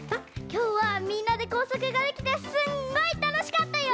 きょうはみんなで工作ができてすんごいたのしかったよ！